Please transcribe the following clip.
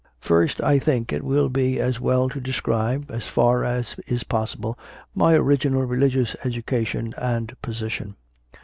2. First, I think, it will be as well to describe, so far as is possible, my original religious education and position.